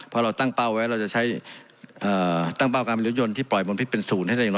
พอเราตั้งป้าวไว้เราจะใช้ตั้งป้าวการเป็นรถยนต์ที่ปล่อยบนภิกษ์เป็นศูนย์